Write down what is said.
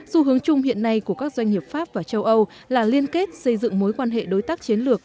dù hướng chung hiện nay của các doanh nghiệp pháp và châu âu là liên kết xây dựng mối quan hệ đối tác chiến lược